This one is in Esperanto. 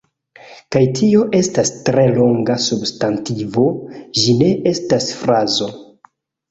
Kaj tio estas tre longa substantivo, ĝi ne estas frazo: